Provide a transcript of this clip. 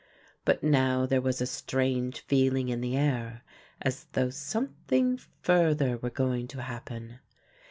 But now there was a strange feeling in the air as though something further were going to happen.